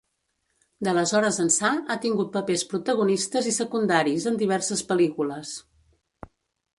D'aleshores ençà, ha tingut papers protagonistes i secundaris en diverses pel·lícules.